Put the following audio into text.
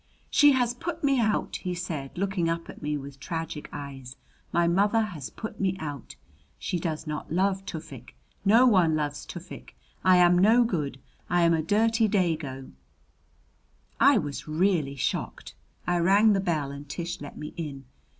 "She has put me out!" he said, looking up at me with tragic eyes. "My mother has put me out! She does not love Tufik! No one loves Tufik! I am no good. I am a dirty dago!" I was really shocked. I rang the bell and Tish let me in.